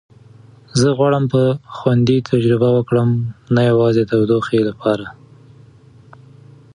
زه غواړم په خوند تجربه وکړم، نه یوازې د تودوخې لپاره.